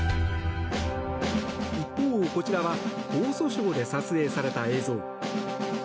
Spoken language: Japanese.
一方、こちらは江蘇省で撮影された映像。